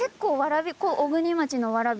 小国町のわらび